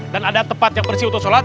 dan ada tempat yang bersih untuk sholat